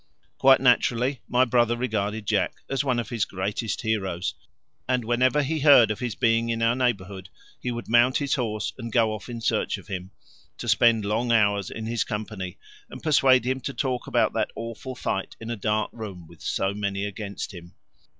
Quite naturally, my brother regarded Jack as one of his greatest heroes, and whenever he heard of his being in our neighbourhood he would mount his horse and go off in search of him, to spend long hours in his company and persuade him to talk about that awful fight in a dark room with so many against him.